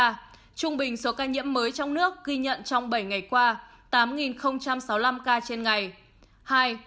trung bình số ca nhiễm mới trong nước ghi nhận trong bảy ngày qua tám sáu mươi năm ca trên ngày